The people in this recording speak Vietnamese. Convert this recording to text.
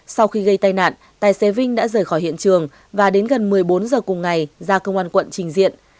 sau khi gây tai nạn tài xế vinh đã rời khỏi hiện trường và đến gần một mươi bốn h cùng ngày ra công an quận trình diện